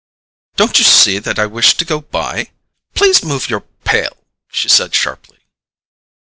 "Don't you see that I wish to go by? Please move your pail," she said sharply.